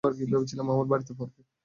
ভেবেছিলাম আমার বাড়িতে পড়বে।